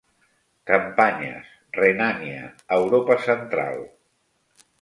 Campanyes: Renània, Europa Central.